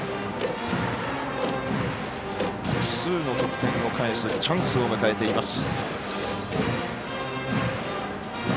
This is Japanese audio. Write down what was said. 複数の得点を返すチャンスを迎えています。